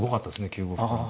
９五歩から。